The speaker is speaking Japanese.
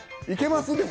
いけます？